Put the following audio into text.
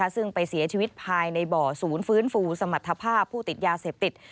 ซึ่งไปเสียชีวิตภายในบ่อศูนย์ฟื้นฟูสมรรถภาพผู้ติดยาเสพติด